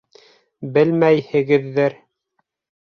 Белмәйһегеҙҙер!